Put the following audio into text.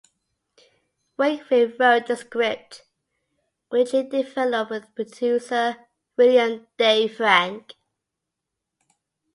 Wakefield wrote the script which he developed with producer William Day Frank.